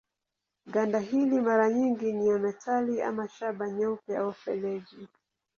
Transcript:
Ganda hili mara nyingi ni ya metali ama shaba nyeupe au feleji.